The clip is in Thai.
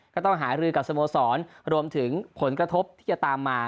ก็ต้องหารือกับสโมสรรวมถึงผลกระทบที่จะตามมา